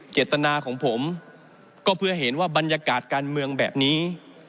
เจตนาของผมก็เพื่อเห็นว่าบรรยากาศการเมืองแบบนี้